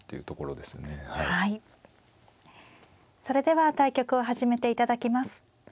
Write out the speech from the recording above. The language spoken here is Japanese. それでは対局を始めて頂きます。